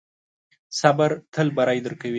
صبر تل بری درکوي.